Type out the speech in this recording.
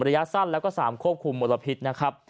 ระยะสั้นแล้วก็๓ควบคุมมลพิษนะครับ